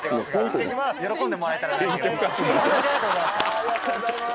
ありがとうございます。